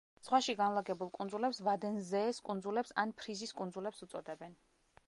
ზღვაში განლაგებულ კუნძულებს ვადენზეეს კუნძულებს ან ფრიზის კუნძულებს უწოდებენ.